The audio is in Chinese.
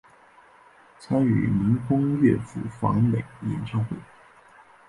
参与民风乐府访美演唱会。